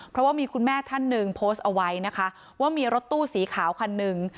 เพราะว่ามีคุณแม่ท่านหนึ่งโพสต์เอาไว้นะคะว่ามีรถตู้สีขาวคันหนึ่ง